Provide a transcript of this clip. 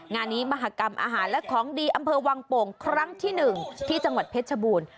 งานนี้มหากรรมอาหารและของดีอำเภอวังโป่งครั้งที่๑ที่จังหวัดเพชรชบูรณ์